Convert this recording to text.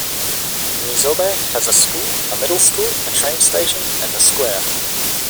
Mizobe has a school, a middle school, a train station and a square.